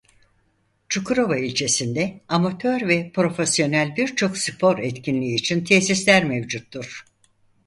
Çukurova ilçesi'nde amatör ve profesyonel birçok spor etkinliği için tesisler mevcuttur.